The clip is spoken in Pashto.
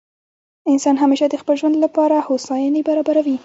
انسان همېشه د خپل ژوند له پاره هوسایني برابروي.